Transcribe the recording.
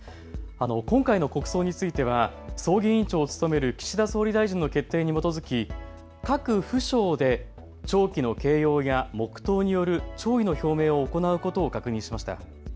今回の国葬については葬儀委員長を務める岸田総理大臣の決定に基づき各府省で弔旗の掲揚や黙とうによる弔意の表明を行うことを確認しました。